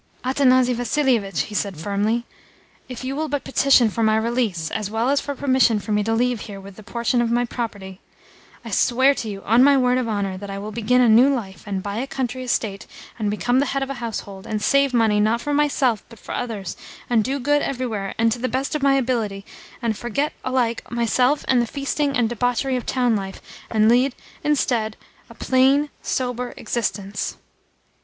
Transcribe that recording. "Athanasi Vassilievitch," he said firmly, "if you will but petition for my release, as well as for permission for me to leave here with a portion of my property, I swear to you on my word of honour that I will begin a new life, and buy a country estate, and become the head of a household, and save money, not for myself, but for others, and do good everywhere, and to the best of my ability, and forget alike myself and the feasting and debauchery of town life, and lead, instead, a plain, sober existence."